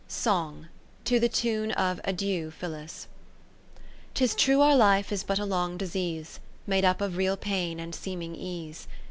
Song To the Tune of Adieu, Phillis 'Tis true our life is but a long disease, Made up of real pain and seeming ease.